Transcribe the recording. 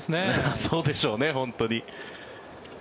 そうでしょうね、本当に。